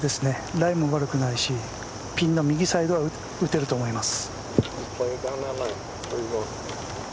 ライも悪くないしピンの右サイドは打てると思います。